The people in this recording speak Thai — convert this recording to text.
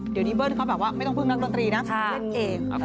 เดี๋ยวนี้เบิ้ลเขาแบบว่าไม่ต้องพึ่งนักดนตรีนะเล่นเอง